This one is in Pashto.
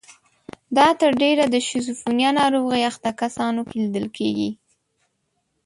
دا تر ډېره د شیزوفرنیا ناروغۍ اخته کسانو کې لیدل کیږي.